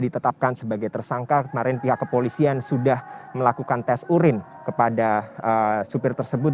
ditetapkan sebagai tersangka kemarin pihak kepolisian sudah melakukan tes urin kepada supir tersebut